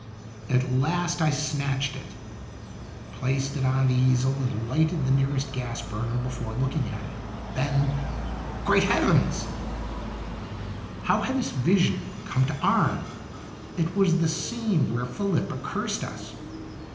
At last I snatched it, placed it on the easel and lighted the nearest gas burner before looking at it. Then great heavens! Qln Itinerant ijjonse. 29 How had this vision come to Arne? It was the scene where Felipa cursed us.